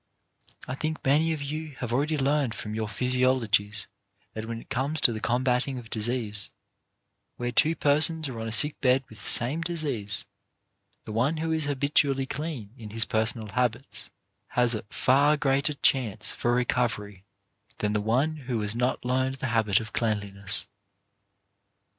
I think many of you have already learned from your physiologies that when it comes to the combating of disease, where two persons are on a sick bed with the same disease, SOME GREAT LITTLE THINGS 175 the one who is habitually clean in his personal habits has a far greater chance for recovery than the one who has not learned the habit of cleanli ness.